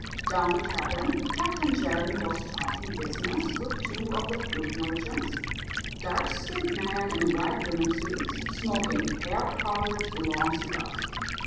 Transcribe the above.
Down in the cabin, Captain Jeremy was talking business with two of the fruit merchants dark skinned men in white linen suits, smoking pale coloured long cigars.